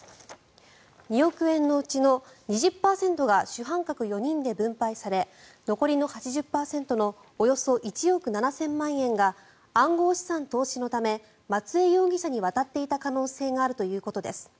２億円のうちの２０％が主犯格４人で分配され残りの８０％のおよそ１億７０００万円が暗号資産投資のため松江容疑者に渡っていた可能性があるということです。